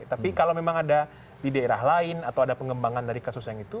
tapi kalau memang ada di daerah lain atau ada pengembangan dari kasus yang itu